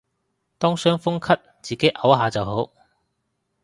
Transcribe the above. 當傷風咳自己漚下就好